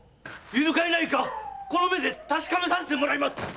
いるかいないかこの目で確かめさせてもらいます！